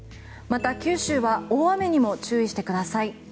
また九州は大雨にも注意してください。